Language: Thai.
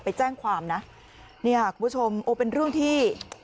ไปแจ้งความนะเนี่ยคุณผู้ชมโอ้เป็นเรื่องที่